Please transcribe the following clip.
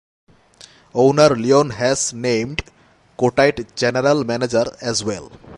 Owner Leon Hess named Kotite general manager as well.